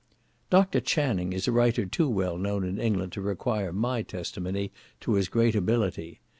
Dr. Channing is a writer too well known in England to require my testimony to his great ability.